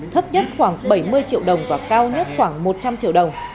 thấp nhất khoảng bảy mươi triệu đồng và cao nhất khoảng một trăm linh triệu đồng